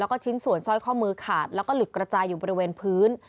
แล้วก็ชิ้นส่วนสร้อยข้อมือขาดแล้วก็หลุดกระจายอยู่บริเวณพื้น